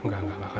gak gak gak